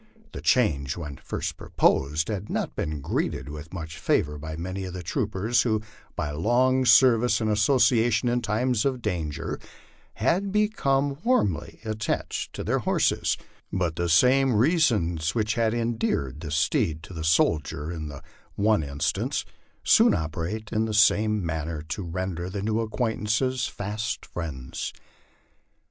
The change when first proposed had not been greeted with much favor by many of the troopers who by long service and association in times of danger had become warmly attached to their horses ; but the same reasons which had endeared the steed to the soldier in the one instance, soon operate in the same manner to render the new acquaintances fast friends.